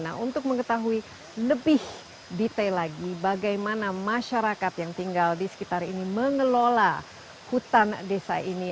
nah untuk mengetahui lebih detail lagi bagaimana masyarakat yang tinggal di sekitar ini mengelola hutan desa ini